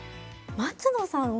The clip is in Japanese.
松野さん